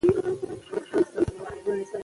جلګه د افغانستان د صادراتو برخه ده.